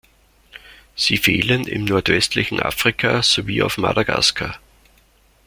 Sie fehlen im nordwestlichen Afrika sowie auf Madagaskar.